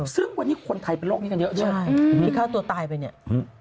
ซึ่งวันนี้คนไทยเป็นโรคนี้กันเยอะตอนนี้เข้าตัวตายไปเนี่ย